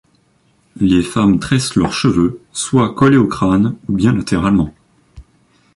Les femmes tressent leurs cheveux, soit collés au crâne, ou bien latéralement.